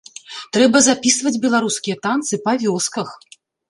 Трэба запісваць беларускія танцы па вёсках.